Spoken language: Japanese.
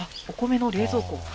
お米の冷蔵庫？